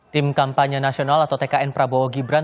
tim kampanye nasional atau tkn prabowo gibran